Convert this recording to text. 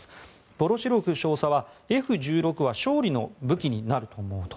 ヴォロシロフ少佐は、Ｆ１６は勝利の武器になると思うと。